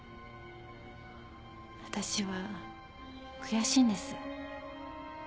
私は悔しいんです。